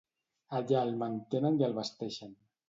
Allà el mantenen i el vesteixen.